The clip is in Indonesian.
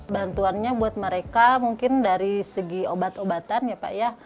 bantuannya buat mereka mungkin dari segi obat obatan ya pak ya